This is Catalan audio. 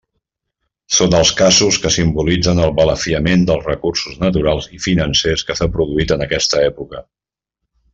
Són els casos que simbolitzen el balafiament dels recursos naturals i financers que s'ha produït en aquesta època.